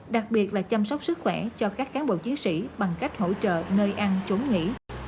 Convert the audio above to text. đặc biệt là chăm sóc sức khỏe cho các cán bộ chiến sĩ bằng cách hỗ trợ nơi ăn trốn nghỉ